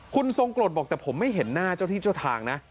คุณทรงกรดบอกแต่ผมไม่เห็นหน้าเจ้าที่เจ้าทางนะ